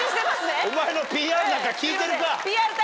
お前のＰＲなんか聞いてるか！